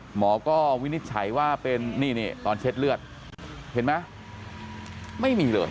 หมอก็วินิจฉัยว่าเป็นนี่ตอนเช็ดเลือดเห็นไหมไม่มีเลย